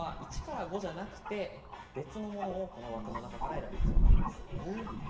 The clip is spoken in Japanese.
１から５じゃなく別のものを枠の中から選ぶ必要があります。